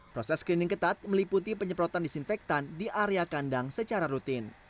proses screening ketat meliputi penyemprotan disinfektan di area kandang secara rutin